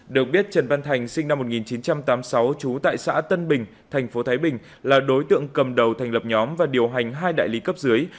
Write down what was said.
được biết trần văn thành sinh năm một nghìn chín trăm tám mươi sáu trú tại xã tân bình thành phố thái bình là đối tượng cầm đầu thành lập nhóm và điều hành hai đại lý cấp dưới